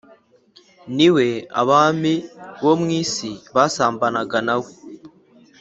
Ni we abami bo mu isi basambanaga na we,